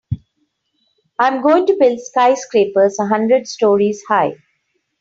I'm going to build skyscrapers a hundred stories high.